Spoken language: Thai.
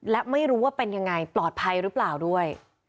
และไม่รู้ว่าเป็นยังไงปลอดภัยหรือเปล่าด้วย